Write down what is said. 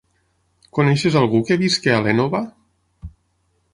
Coneixes algú que visqui a l'Énova?